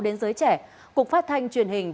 đến giới trẻ cục phát thanh truyền hình